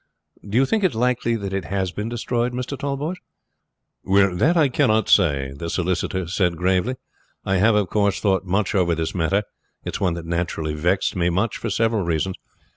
"Do you think it likely that it has been destroyed, Mr. Tallboys?" "Well, that I cannot say," the solicitor said gravely. "I have, of course, thought much over this matter. It is one that naturally vexed me much for several reasons.